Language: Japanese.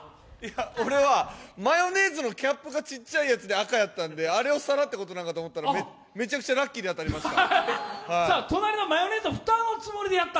俺はマヨネーズのキャップが小さいやつで赤だったんであれを皿ってことなんやと思ったら、めちゃくちゃラッキーで当たりました。